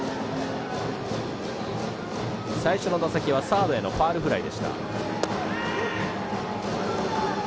最初の打席はサードへのファウルフライ。